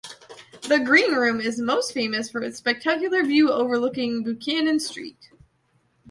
The Green Room is most famous for its spectacular view overlooking Buchanan Street.